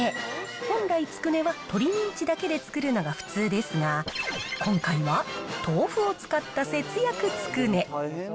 本来、つくねは鶏ミンチだけで作るのが普通ですが、今回は、豆腐を使った節約つくね。